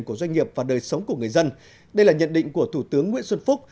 của doanh nghiệp và đời sống của người dân đây là nhận định của thủ tướng nguyễn xuân phúc